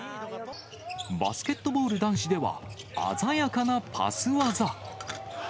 バスケットボール男子では、鮮やかなパス技。